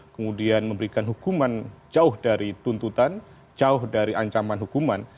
kemudian memberikan hukuman jauh dari tuntutan jauh dari ancaman hukuman